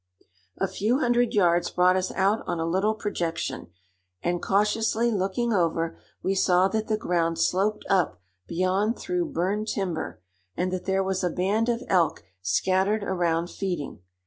A few hundred yards brought us out on a little projection, and, cautiously looking over, we saw that the ground sloped up beyond through burned timber, and that there was a band of elk scattered around feeding.